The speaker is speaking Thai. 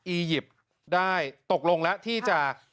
อียิปต์ได้ตกลงแล้วที่จะ